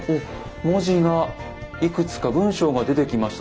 文字がいくつか文章が出てきました。